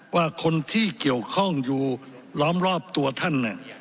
ว่าคนที่เกี่ยวข้องอยู่ล้อมรอบตัวท่าน